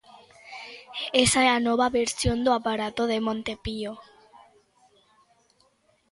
Esa é a nova versión do aparato de Monte Pío.